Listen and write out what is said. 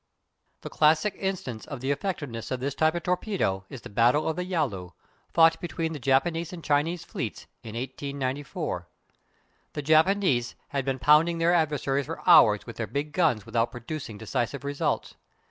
The classic instance of the effectiveness of this type of torpedo is the battle of the Yalu, fought between the Japanese and Chinese fleets in 1894. The Japanese had been pounding their adversaries for hours with their big guns without producing decisive results.